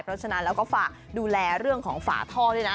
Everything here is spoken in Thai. เพราะฉะนั้นแล้วก็ฝากดูแลเรื่องของฝาท่อด้วยนะ